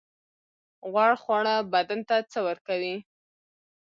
غوړ خواړه بدن ته څه ورکوي؟